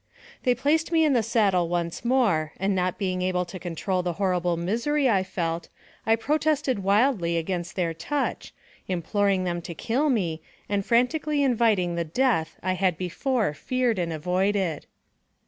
They placed me in the saddle once more, and not being able to control the horrible misery I felt, I pro tested wildly against their touch, imploring them to kill me, and frantically inviting the death I had before feared and avoided.